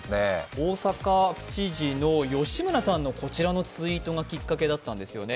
大阪府知事の吉村さんのこちらのツイートがきっかけだったんです。